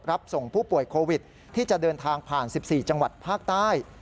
รับส่งผู้ป่วยโควิดที่จะเดินทางผ่าน๑๔จังหวัดภาคใต้